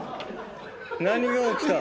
何が起きた？